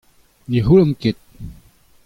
Ne c'houllan ket.